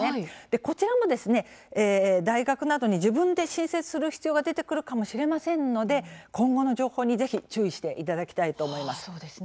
こちらも大学などに自分で申請する必要が出てくるかもしれませんので今後の情報にぜひ注意していただきたいと思います。